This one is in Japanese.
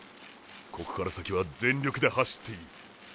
ここから先は全力で走っていい。